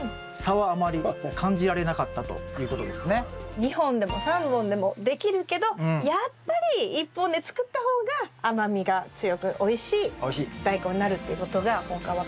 ちなみに２本でも３本でもできるけどやっぱり１本で作った方が甘みが強くおいしいダイコンになるっていうことが今回分かりましたね。